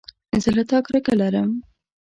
زه له تا کرکه لرم